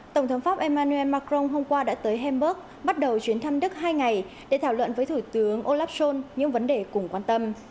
tổng thống pháp emmanuel macron hôm qua đã tới hamburg bắt đầu chuyến thăm đức hai ngày để thảo luận với thủ tướng olaf schol những vấn đề cùng quan tâm